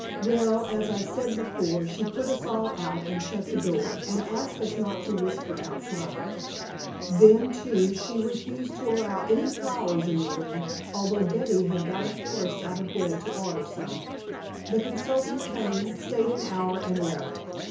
Well, as I said before, she put us all out, and shut the door, and asked us not to whisper outside. Then, too, she refused to allow any flowers in the room, although Betty had got a florist out of bed to order some. The consultant came, stayed an hour, and left.